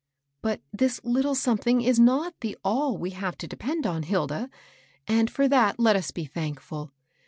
^^^^ Bat this Uttle something is not the all we have to depend on, Hilda ; and for that let us be thank fid.